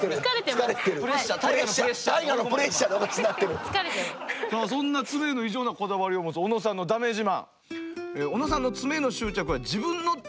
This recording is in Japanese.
さあそんな爪への異常なこだわりを持つ小野さんのだめ自慢。